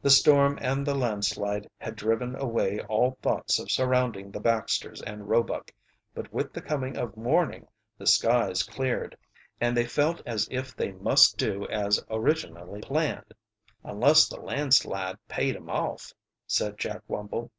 The storm and the landslide had driven away all thoughts of surrounding the Baxters and Roebuck, but with the coming of morning the skies cleared, and they felt as if they must do as originally planned. "Unless the landslide paid 'em off," said Jack Wumble.